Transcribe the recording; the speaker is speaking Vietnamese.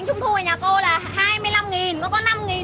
người phụ nữ vây trắng có dám về phúc hậu